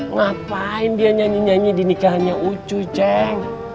ngapain dia nyanyi nyanyi di nikahannya ucuy cenk